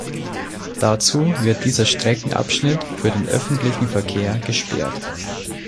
Dazu wird dieser Streckenabschnitt für den öffentlichen Verkehr gesperrt.